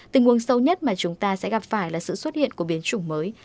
tình huống sâu nhất mà chúng ta sẽ gặp phải là sự xuất hiện của biến chủng mới